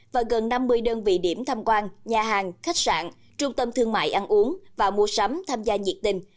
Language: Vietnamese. và gần năm mươi đơn vị điểm tham quan nhà hàng khách sạn trung tâm thương mại ăn uống và mua sắm tham gia nhiệt tình